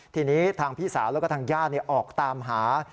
ทีนี้ทางพี่สาวแล้วก็ทางญาติออกตามหา